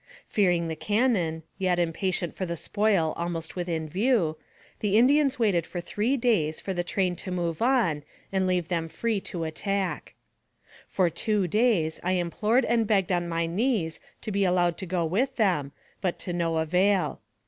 Fearing the cannon, yet impatient for the spoil AMONG THE SIOUX INDIANS. 149 almost within view, the Indians waited for three days for the train to move on and leave them free to attack. For two days I implored and begged on my knees to be allowed to go with them, but to no avail.